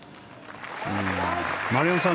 丸山さん